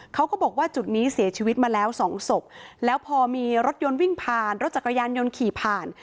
เขาก็บอกว่าจุดนี้เสียชีวิตมาแล้วสองศพแล้วพอมีรถยนต์วิ่งผ่านรถจักรยานยนต์ขี่ผ่าน